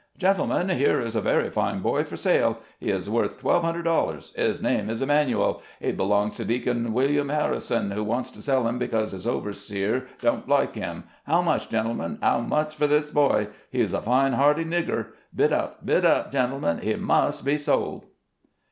"Gentlemen, here is a very fine boy for sale. He is worth twelve hundred dollars. His name is Emanuel. He belongs to Deacon William Harrison, who wants to sell him because his overseer don't like him. How much, gentlemen — how much for this boy? He's a fine, hearty nigger. Bid up, bid up, gentle men ; he must be sold."